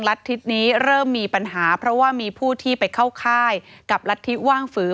ทิศนี้เริ่มมีปัญหาเพราะว่ามีผู้ที่ไปเข้าค่ายกับรัฐธิว่างฝือ